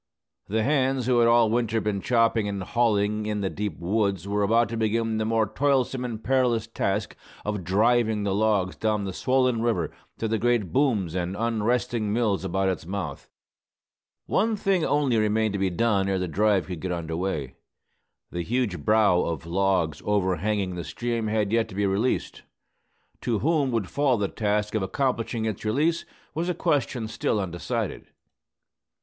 The hands who had all winter been chopping and hauling in the deep woods were about to begin the more toilsome and perilous task of "driving" the logs down the swollen river to the great booms and unresting mills about its mouth. One thing only remained to be done ere the drive could get under way. The huge "brow" of logs over hanging the stream had yet to be released. To whom would fall the task of accomplishing its release, was a question still undecided.